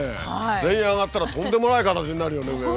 全員上がったらとんでもない形になるよね上が。